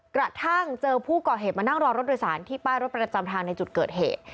กระทั่งเจอผู้ก่อเหตุมานั่งรอรถโดยสารที่ป้ายรถประจำทางในจุดเกิดเหตุ